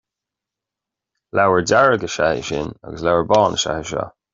Leabhar dearg is ea é sin, agus leabhar bán is ea é seo